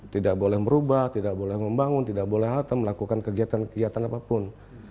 tidak boleh merubah tidak boleh membangun tidak boleh harta melakukan kegiatan kegiatan apapun